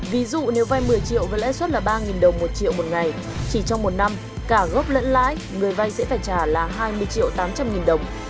ví dụ nếu vay một mươi triệu với lãi suất là ba đồng một triệu một ngày chỉ trong một năm cả gốc lẫn lãi người vay sẽ phải trả là hai mươi triệu tám trăm linh nghìn đồng